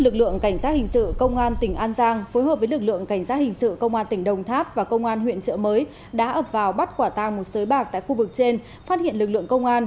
lực lượng cảnh sát hình sự công an tỉnh an giang phối hợp với lực lượng cảnh sát hình sự công an tỉnh đồng tháp và công an huyện trợ mới đã ập vào bắt quả tang một sới bạc tại khu vực trên phát hiện lực lượng công an